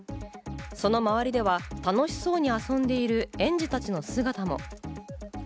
その周りでは楽しそうに遊んでいる園児たちの姿も。